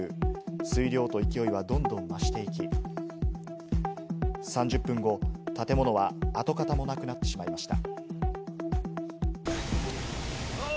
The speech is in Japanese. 水量と勢いはどんどん増していき、３０分後、建物は跡形もなくなっていました。